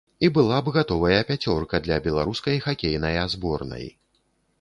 І была б гатовая пяцёрка для беларускай хакейная зборнай.